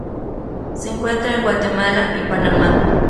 Se encuentra en Guatemala y Panamá.